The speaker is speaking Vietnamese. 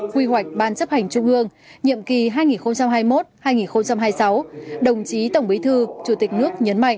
quy hoạch ban chấp hành trung ương nhiệm kỳ hai nghìn hai mươi một hai nghìn hai mươi sáu đồng chí tổng bí thư chủ tịch nước nhấn mạnh